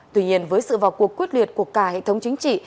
tuy nhiên với sự vào cuộc quyết liệt của cả hệ thống chính trị